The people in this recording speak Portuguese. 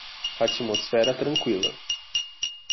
Atmosfera tranquila